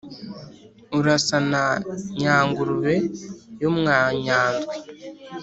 Urasa na yangurube yo mwa nkyandwi